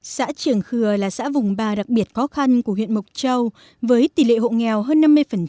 xã trường khừa là xã vùng ba đặc biệt khó khăn của huyện mộc châu với tỷ lệ hộ nghèo hơn năm mươi